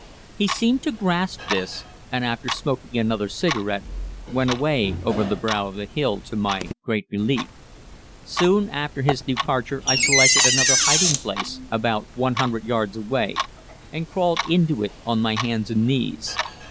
He seemed to grasp this, and after smoking another cigarette went away over the brow of the hill, to my great relief. Soon after his departure I selected another hiding place, about 100 yards away, and crawled into it on my hands and knees.